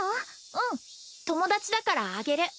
うん友達だからあげる